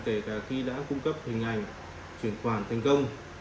kể cả khi đã cung cấp hình ảnh chuyển khoản thành công